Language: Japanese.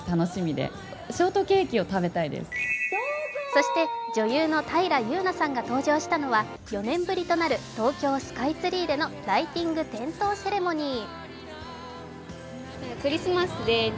そして女優の平祐奈さんが登場したのは４年ぶりとなる東京スカイツリーでのライティング点灯セレモニー。